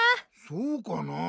そうかなぁ？